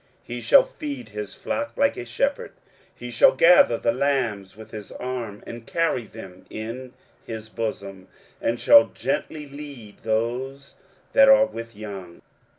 23:040:011 He shall feed his flock like a shepherd: he shall gather the lambs with his arm, and carry them in his bosom, and shall gently lead those that are with young.